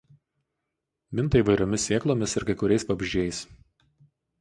Minta įvairiomis sėklomis ir kai kuriais vabzdžiais.